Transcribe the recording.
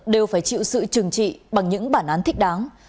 đều phải chịu sự trừng trị bằng những bản án thích đáng